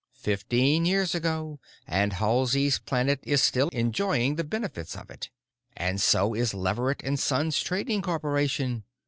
Fifteen years ago, and Halsey's Planet is still enjoying the benefits of it. And so is Leverett and Sons Trading Corporation.